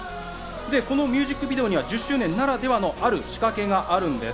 このミュージックビデオには１０周年ならではのある仕掛けがあるんです。